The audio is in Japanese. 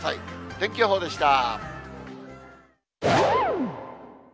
天気予報でした。